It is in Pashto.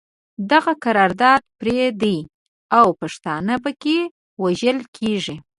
دغه کردار پردی دی او پښتانه پکې وژل کېږي.